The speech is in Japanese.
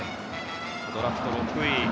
ドラフト６位。